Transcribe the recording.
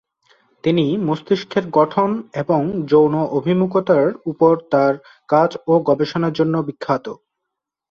তিনি মস্তিষ্কের গঠন এবং যৌন অভিমুখিতার উপর তার কাজ ও গবেষণার জন্য বিখ্যাত।